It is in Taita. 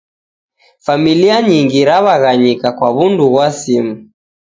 Familia nyingi raw'aghanyika kwa w'undu ghwa simu